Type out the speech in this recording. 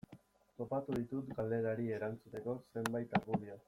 Topatu ditut galderari erantzuteko zenbait argudio.